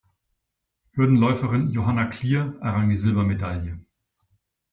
Hürdenläuferin Johanna Klier errang die Silbermedaille.